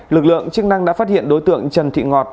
lực lượng chức năng đã phát hiện đối tượng trần thị ngọt